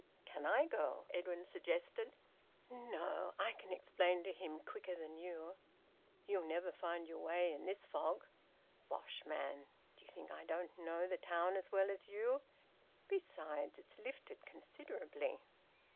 "Can I go?" Edwin suggested. "No. I can explain to him quicker than you." "You'll never find your way in this fog." "Bosh, man! D'you think I don't know the town as well as you? Besides, it's lifted considerably."